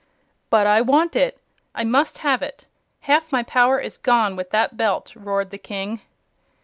"But I want it! I must have it! Half my power is gone with that Belt!" roared the King.